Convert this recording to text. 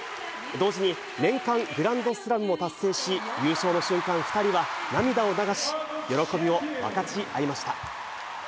同時に年間グランドスラムも達成し、優勝の瞬間、２人は涙を流し、喜びを分かち合いました。